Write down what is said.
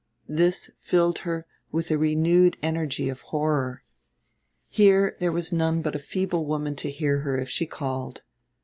This filled her with a renewed energy of horror.... Here there was none but a feeble woman to hear her if she called.